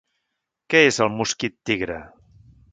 Què és el mosquit tigre?